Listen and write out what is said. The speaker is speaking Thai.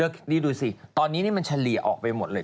แล้วนี่ดูสิตอนนี้มันเฉลี่ยออกไปหมดเลย